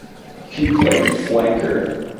He played flanker.